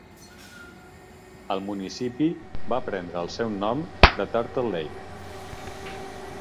El municipi va prendre el seu nom de Turtle Lake.